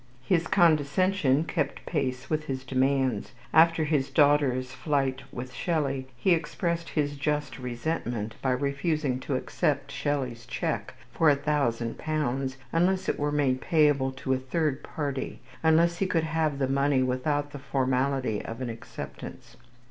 His condescension kept pace with his demands. After his daughter's flight with Shelley, he expressed his just resentment by refusing to accept Shelley's cheque for a thousand pounds unless it were made payable to a third party, unless he could have the money without the formality of an acceptance.